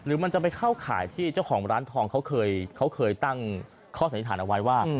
มันจะไปเข้าข่ายที่เจ้าของร้านทองเขาเคยตั้งข้อสันนิษฐานเอาไว้ว่า